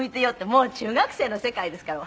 もう中学生の世界ですから」